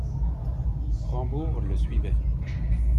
Rambourg le suivait.